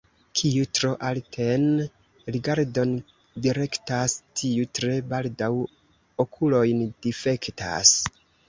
Kiu tro alten rigardon direktas, tiu tre baldaŭ okulojn difektas.